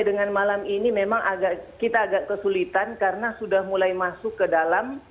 dengan malam ini memang agak kita agak kesulitan karena sudah mulai masuk ke dalam